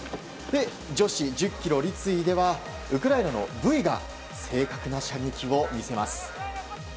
女子１０ｋｍ立位ではウクライナのブイが正確な射撃を見せます。